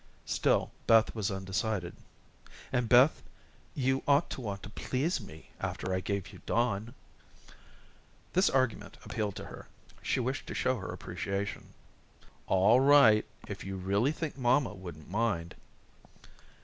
Still Beth was undecided. "And, Beth, you ought to want to please me after I gave you Don." This argument appealed to her. She wished to show her appreciation. "All right, if you really think mamma wouldn't mind."